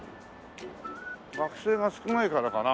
学生が少ないからかな？